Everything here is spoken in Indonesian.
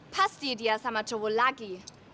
pasti dia sama cowok lagi